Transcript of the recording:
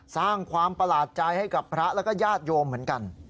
สร้างความประหลาดใจให้กับพระแล้วก็ญาติโยมเหมือนกัน